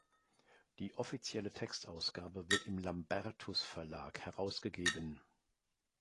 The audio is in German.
Die offizielle Textausgabe wird im Lambertus Verlag herausgegeben.